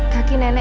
nah ini dia